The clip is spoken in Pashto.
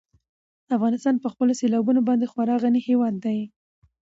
افغانستان په خپلو سیلابونو باندې خورا غني هېواد دی.